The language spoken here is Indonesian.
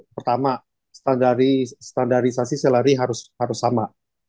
pertama standarisasi selari harus sama